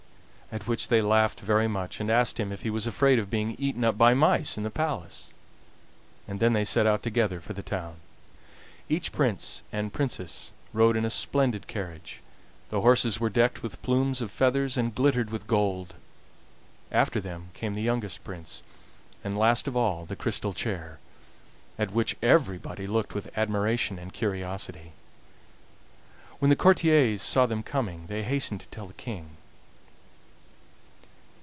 At which they laughed very much, and asked him if he was afraid of being eaten up by mice in the palace. And then they set out together for the town. Each prince and princess rode in a splendid carriage; the horses were decked with plumes of feathers, and glittered with gold. After them came the youngest prince, and last of all the crystal chair, at which everybody looked with admiration and curiosity. When the courtiers saw them coming they hastened to tell the King.